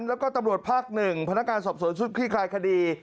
แล้วก็ตำรวจภาคหนึ่งพนักการสอบส่วนชุดคลิกลายคดี